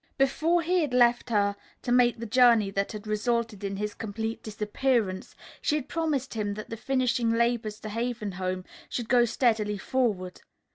Before he had left her to make the journey that had resulted in his complete disappearance, she had promised him that the finishing labors at Haven Home should go steadily forward.